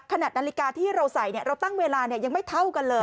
ขนาดนาฬิกาที่เราใส่เราตั้งเวลายังไม่เท่ากันเลย